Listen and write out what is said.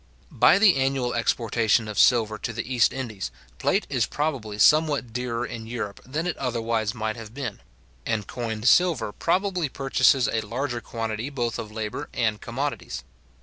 By the annual exportation of silver to the East Indies, plate is probably somewhat dearer in Europe than it otherwise might have been; and coined silver probably purchases a larger quantity both of labour and commodities.